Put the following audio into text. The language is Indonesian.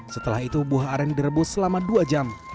setelah itu buah aren direbus selama dua jam